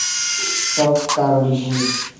সব কারন ভুল।